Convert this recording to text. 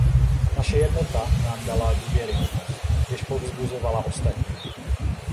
Naše jednota nám dala důvěryhodnost, jež povzbuzovala ostatní.